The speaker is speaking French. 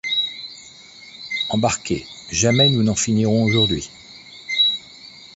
Embarquez, jamais nous n’en finirons aujourd’hui.